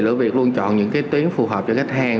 lửa việt luôn chọn những tuyến phù hợp cho khách hàng